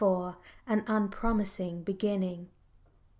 AN UNPROMISING BEGINNING.